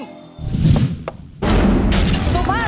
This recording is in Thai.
สุภาพสตรีสุดเปรี้ยว